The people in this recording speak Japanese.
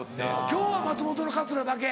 今日は松本のカツラだけ？